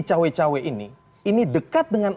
cawe cawe ini ini dekat dengan